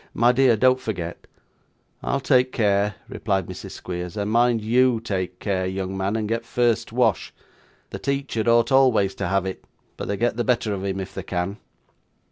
My dear, don't forget.' 'I'll take care,' replied Mrs. Squeers; 'and mind YOU take care, young man, and get first wash. The teacher ought always to have it; but they get the better of him if they can.